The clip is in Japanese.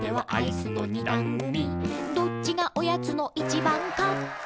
「どっちがおやつの１ばんか」